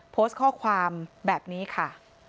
โพสต์ข้อความแบบนี้ค่ะ